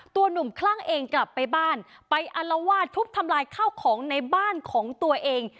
หนุ่มคลั่งเองกลับไปบ้านไปอัลวาดทุบทำลายข้าวของในบ้านของตัวเอง